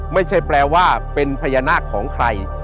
ไม่ใช่แปลว่าเป็นพญานาคของใคร